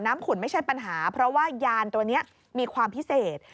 ขุนไม่ใช่ปัญหาเพราะว่ายานตัวนี้มีความพิเศษ